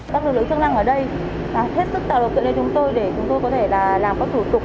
các lực lượng chức năng ở đây đã hết sức tạo được tiện để chúng tôi để chúng tôi có thể làm các thủ tục